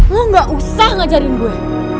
lo gak usah ngajarin gue